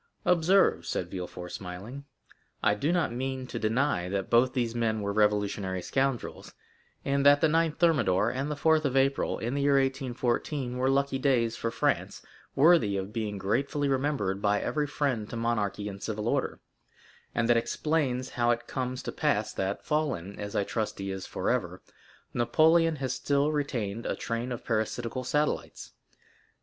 Observe," said Villefort, smiling, "I do not mean to deny that both these men were revolutionary scoundrels, and that the 9th Thermidor and the 4th of April, in the year 1814, were lucky days for France, worthy of being gratefully remembered by every friend to monarchy and civil order; and that explains how it comes to pass that, fallen, as I trust he is forever, Napoleon has still retained a train of parasitical satellites.